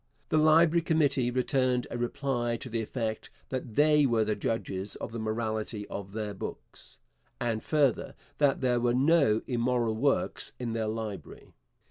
The library committee returned a reply to the effect that they were the judges of the morality of their books, and, further, that there were no immoral works in their library.